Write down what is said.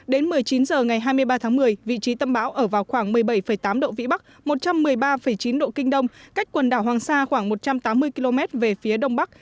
đến một mươi chín h ngày hai mươi ba tháng một mươi vị trí tâm bão ở vào khoảng một mươi bảy tám độ vĩ bắc một trăm một mươi ba chín độ kinh đông cách quần đảo hoàng sa khoảng một trăm tám mươi km về phía đông bắc